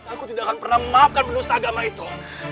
aku tidak akan pernah memaafkan penduduk setiagama itu